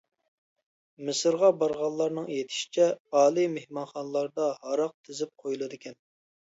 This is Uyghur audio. مىسىرغا بارغانلارنىڭ ئېيتىشىچە، ئالىي مېھمانخانىلاردا ھاراق تىزىپ قويۇلىدىكەن.